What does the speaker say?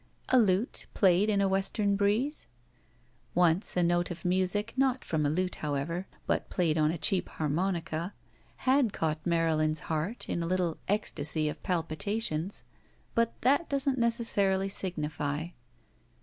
A lute, played in a western breeze? Once a note of music, not from a lute however, but played on a cheap harmonica, had caught Marylin's heart in a little ecstasy of palpitations, but that doesn't necessarily signify.